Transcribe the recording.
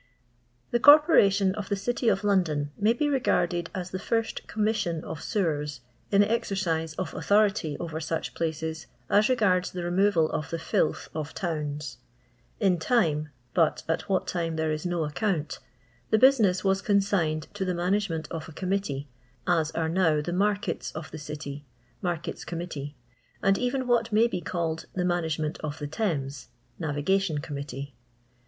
The Corporation of the Citj of London may be regarded as the first Commission of Sewers in the exercise of authority over such places as reganU the removal of the fllth of towns. In time, bat at what time there is no accoon^ the business vai consigned to the management of a committee, ai arc now the markets of the City (Markets Con niittee), and even what maybe called the manage ment of the Thames (Navigation Committee).